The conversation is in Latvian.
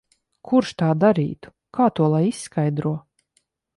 Kurš tā darītu? Kā to lai izskaidro?